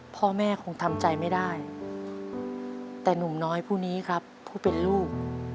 พ่อแม่คงทำใจไม่ได้แต่หนุ่มน้อยผู้นี้ครับผู้เป็นลูก